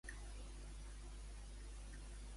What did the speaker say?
Què li passa a Beuve?